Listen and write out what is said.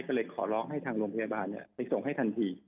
ก็เลยขอร้องให้ทางโรงพยาบาลไปส่งให้ทันที